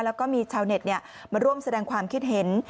แล้วก็มีชาวเน็ตมาร่วมแสดงความคิดเห็น